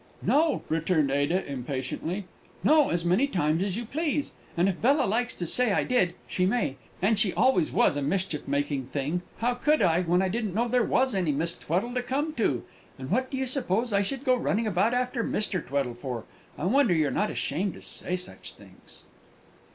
"No!" returned Ada, impatiently "no, as many times as you please! And if Bella likes to say I did, she may; and she always was a mischief making thing! How could I, when I didn't know there was any Miss Tweddle to come to? And what do you suppose I should go running about after Mr. Tweddle for? I wonder you're not ashamed to say such things!"